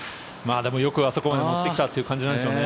よくあそこまで持ってきたという感じなんでしょうね。